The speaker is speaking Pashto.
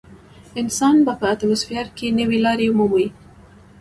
انسان به په اتموسفیر کې نوې لارې مومي.